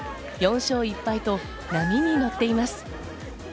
４勝１敗と波にのっています。